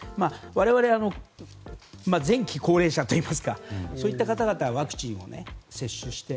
我々、前期高齢者といいますかそういった方々はワクチンを接種して。